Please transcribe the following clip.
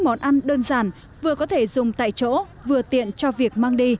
món ăn đơn giản vừa có thể dùng tại chỗ vừa tiện cho việc mang đi